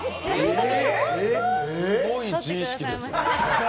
すごい自意識ですよね。